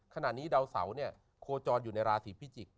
ขณะนี้ดาวเสาเนี่ยโคจรอยู่ในราศีพิจิกษ